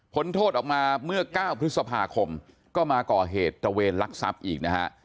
โทษออกมาเมื่อ๙พฤษภาคมก็มาก่อเหตุตระเวนลักทรัพย์อีกนะฮะ